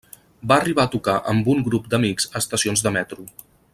Va arribar a tocar amb un grup d'amics a estacions de metro.